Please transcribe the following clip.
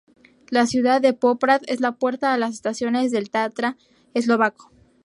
La ciudad de Poprad es la puerta a las estaciones del Tatra eslovaco.